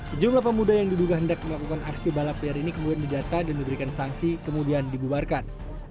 sejumlah pemuda yang diduga hendak melakukan aksi balap liar ini kemudian didata dan diberikan sanksi kemudian dibubarkan